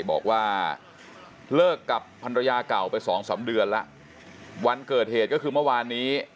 บอกว่าเลิกกับภรรยาเก่าไปสองสามเดือนแล้ววันเกิดเหตุก็คือเมื่อวานนี้